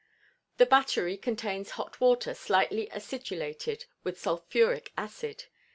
The "battery" contains hot water slightly acidulated with sulphuric acid.